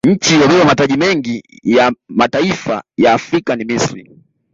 nchi iliyobeba mataji mengi ya mataifa ya afrika ni misri